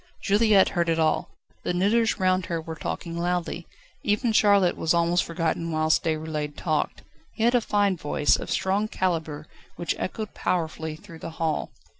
Juliette heard it all. The knitters round her were talking loudly. Even Charlotte was almost forgotten whilst Déroulède talked. He had a fine voice, of strong calibre, which echoed powerfully through the hall.